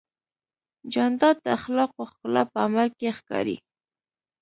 جانداد د اخلاقو ښکلا په عمل کې ښکاري.